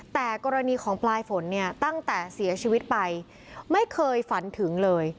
แต่กรณีของปลายฝนเนี่ยตั้งแต่เสียชีวิตไปไม่เคยฝันถึงเลย